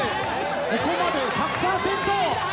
ここまで１００％！